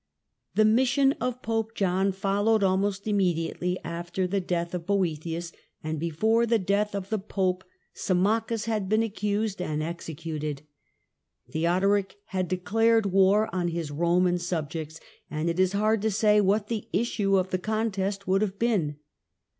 The mission of Pope John followed almost immedi Death of att'lv alter the death of Boethius, and before the death 526 of the Pope Syrnmachus had been accused and executed. Theodoric had declared war on his Roman subjects, and it is hard to say what the issue of the contest would have been.